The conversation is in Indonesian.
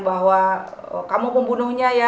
bahwa kamu pembunuhnya ya